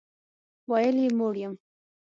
ویل یې موړ یم.